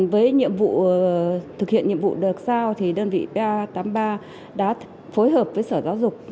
với nhiệm vụ thực hiện nhiệm vụ đợt sau thì đơn vị pa tám mươi ba đã phối hợp với sở giáo dục